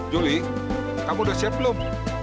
juli kamu udah siap belum